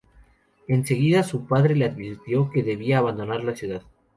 En seguida, su padre le advirtió que debía abandonar la ciudad.